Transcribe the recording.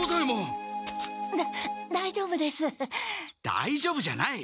だいじょうぶじゃない。